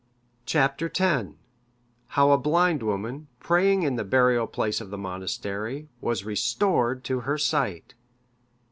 Chap. X. How a blind woman, praying in the burial place of that monastery, was restored to her sight.